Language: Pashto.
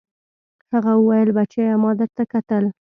هغه وويل بچيه ما درته کتل.